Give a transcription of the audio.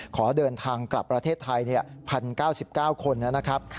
ขอเดินทางกลับประเทศไทย๑๐๙๙คนนะครับ